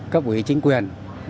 cấp ủy chính quyền